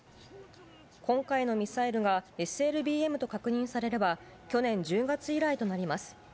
今回のミサイルがＳＬＢＭと確認されれば、去年１０月以来となります。